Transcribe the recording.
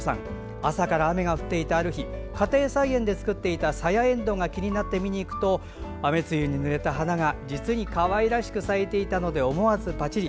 朝から雨が降っていたある日家庭菜園で作っていたさやえんどうが気になって見に行くと雨露にぬれた花が実にかわいらしく咲いていたので思わずパチリ。